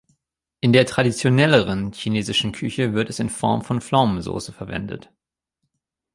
In der traditionelleren chinesischen Küche wird es in Form von Pflaumensauce verwendet.